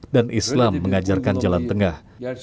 dan islam mengajarkan jalan tengah